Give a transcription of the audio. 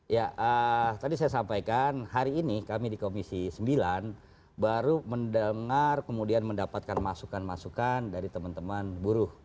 ya tadi saya sampaikan hari ini kami di komisi sembilan baru mendengar kemudian mendapatkan masukan masukan dari teman teman buruh